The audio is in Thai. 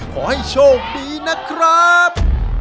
ขอให้โชคดีนะครับ